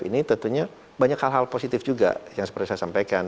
ini tentunya banyak hal hal positif juga yang seperti saya sampaikan